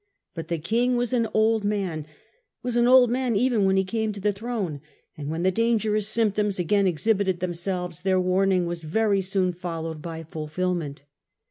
But the King was an old man — was an old man even when he came to the throne, and when the dangerous symptoms again exhibited themselves, their warning was very soon followed by fulfilment.